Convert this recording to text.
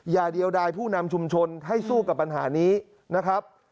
เดียวดายผู้นำชุมชนให้สู้กับปัญหานี้นะครับ